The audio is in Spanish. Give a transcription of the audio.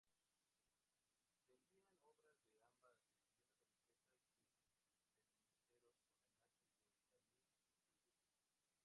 Vendían obras de ambas, incluyendo camisetas y ceniceros con la imagen de Damien Hirst.